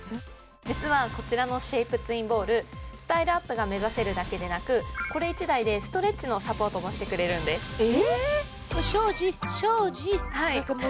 実はこちらのシェイプツインボールスタイルアップが目指せるだけでなくこれ１台でストレッチのサポートもしてくれるんですえ！？